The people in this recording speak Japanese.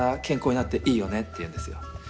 健康になっていいよね」って言うんですよ。